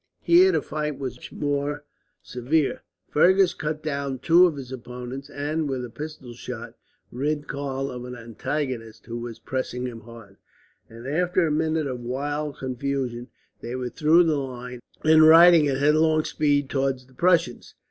Here the fight was much more severe. Fergus cut down two of his opponents and, with a pistol shot, rid Karl of an antagonist who was pressing him hard; and after a minute of wild confusion they were through the line, and riding at headlong speed towards the Prussians.